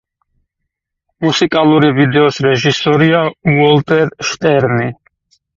მუსიკალური ვიდეოს რეჟისორია უოლტერ შტერნი.